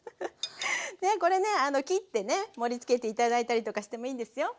これねあの切ってね盛りつけて頂いたりとかしてもいいんですよ。